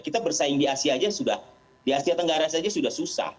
kita bersaing di asia tenggara saja sudah susah